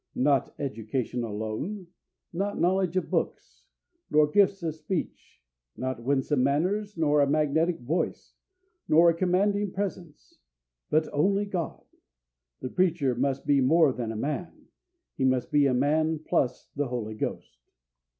Not education alone, not knowledge of books, not gifts of speech, not winsome manners, nor a magnetic voice, nor a commanding presence, but only God. The preacher must be more than a man he must be a man plus the Holy Ghost.